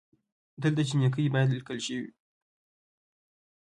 دلته جینکۍ بايد ليکل شوې وئ